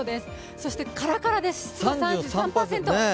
そしてカラカラです、湿度３３％。